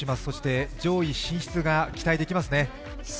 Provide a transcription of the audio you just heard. そして上位進出が期待できますね